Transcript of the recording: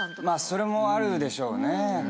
それもあるでしょうね。